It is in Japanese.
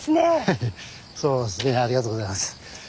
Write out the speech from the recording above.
ハハッそうですねありがとうございます。